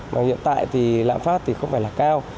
mà hiện tại thì lạm phát thì không phải là cao